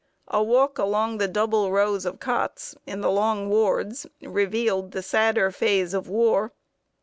A walk along the double rows of cots in the long wards revealed the sadder phase of war.